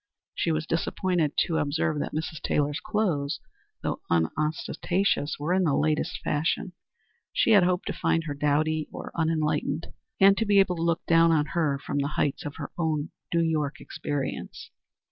She was disappointed to observe that Mrs. Taylor's clothes, though unostentatious, were in the latest fashion. She had hoped to find her dowdy or unenlightened, and to be able to look down on her from the heights of her own New York experience.